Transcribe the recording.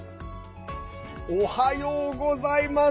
おはようございます！